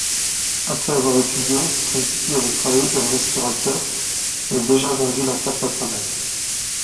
Après avoir étudié Stransky avait travaillé comme restaurateur, mais déjà vendu leur propre travail.